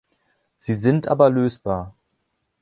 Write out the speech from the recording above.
Sie sind aber lösbar.